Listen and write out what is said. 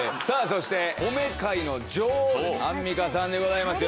そして褒め界の女王アンミカさんでございます